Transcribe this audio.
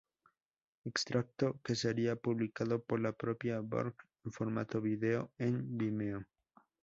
Extracto que sería publicado por la propia Björk en formato vídeo en Vimeo.